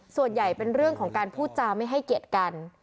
ส่วนใหญ่เป็นเรื่องของการพูดจาไม่ให้เกียรติกัน